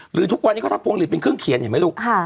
ทุกวันนี้เขาทำพวงหลีดเป็นเครื่องเขียนเห็นไหมลูก